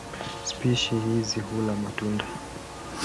Spishi hizi hula matunda.